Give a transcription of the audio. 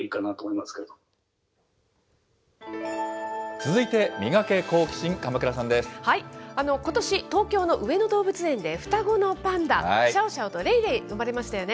続いて、ミガケ、ことし、東京の上野動物園で双子のパンダ、シャオシャオとレイレイ、生まれましたよね。